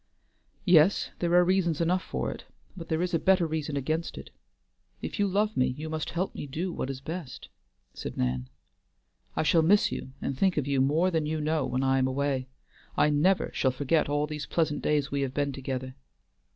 "Yes, there are reasons enough for it, but there is a better reason against it. If you love me you must help me do what is best," said Nan. "I shall miss you and think of you more than you know when I am away. I never shall forget all these pleasant days we have been together.